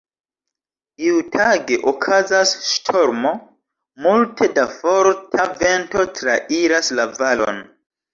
Iutage, okazas ŝtormo. Multe da forta vento trairas la valon.